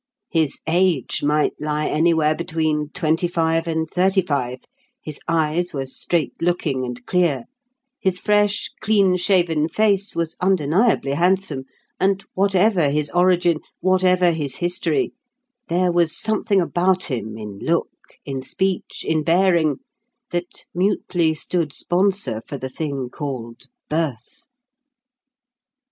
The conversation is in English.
His age might lie anywhere between twenty five and thirty five, his eyes were straight looking and clear, his fresh, clean shaven face was undeniably handsome, and, whatever his origin, whatever his history, there was something about him, in look, in speech, in bearing, that mutely stood sponsor for the thing called "birth."